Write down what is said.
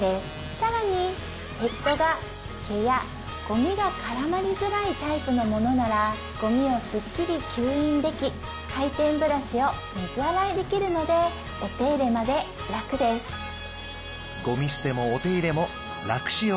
更にヘッドが毛やごみが絡まりづらいタイプのものならごみをすっきり吸引でき回転ブラシを水洗いできるのでお手入れまで楽ですごみ捨てもお手入れも楽しよう！